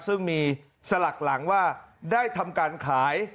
ซึ่งมีสลักหลังว่าได้ทำการขาย